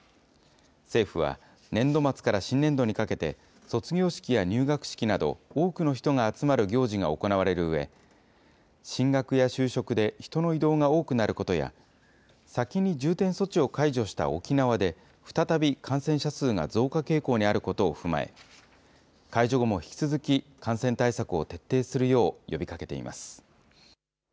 政府は、年度末から新年度にかけて、卒業式や入学式など、多くの人が集まる行事が行われるうえ、進学や就職で人の移動が多くなることや、先に重点措置を解除した沖縄で、再び感染者数が増加傾向にあることを踏まえ、解除後も引き続き感染対策を徹底するよう呼びかけています。